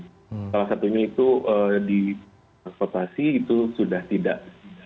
salah satunya itu di transportasi itu sudah tidak